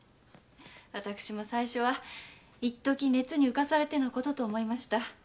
私も最初は一時熱にうかされてのことと思いました。